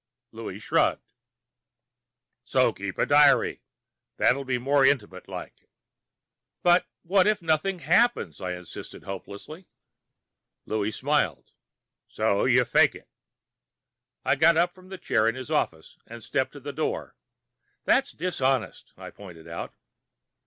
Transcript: Louie shrugged. "So keep a diary. It'll be more intimate, like." "But what if nothing happens?" I insisted hopelessly. Louie smiled. "So you fake it." I got up from the chair in his office and stepped to the door. "That's dishonest," I pointed out.